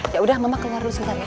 yaudah mama keluar dulu sebentar ya